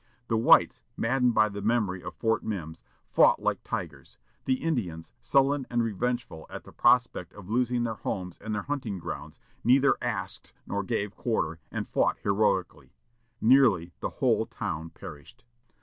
The whites, maddened by the memory of Fort Mims, fought like tigers; the Indians, sullen and revengeful at the prospect of losing their homes and their hunting grounds, neither asked nor gave quarter, and fought heroically. Nearly the whole town perished.